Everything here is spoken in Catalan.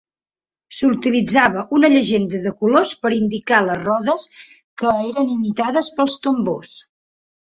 S’utilitzava una llegenda de colors per indicar les rodes que eren imitades pels tambors.